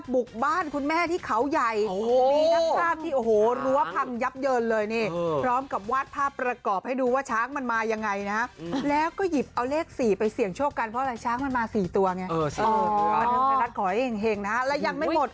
มันมาสี่ตัวไงเออใช่อ๋อขอให้แห่งนะฮะแล้วยังไม่หมด